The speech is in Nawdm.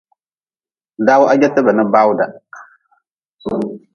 Daw-ha jeta bana bawda.